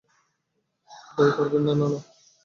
দয়াকরে করবেন না, না।